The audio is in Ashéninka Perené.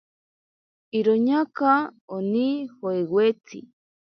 Iroñaaka oni joeweshi.